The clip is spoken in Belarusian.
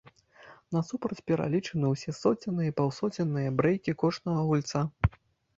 Насупраць пералічаны ўсе соценныя і паўсоценныя брэйкі кожнага гульца.